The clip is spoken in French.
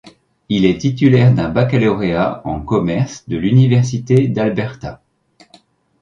Il est titulaire d'un baccalauréat en commerce de l'Université de l'Alberta.